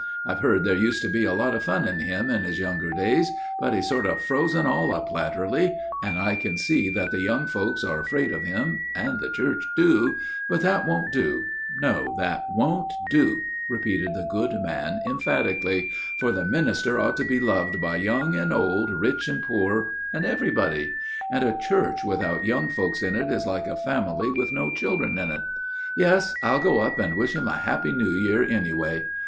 I've heard that there used to be a lot in him in his younger days, but he's sort of frozen all up latterly, and I can see that the young folks are afraid of him and the church too, but that won't do no, it won't do," repeated the good man emphatically, "for the minister ought to be loved by young and old, rich and poor, and everybody; and a church without young folks in it is, why, it is like a family with no children in it. Yes, I'll go up and wish him a Happy New Year anyway.